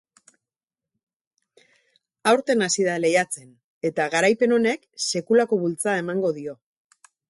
Aurten hasi da lehiatzen eta garaipen honek sekulako bultzada emango dio.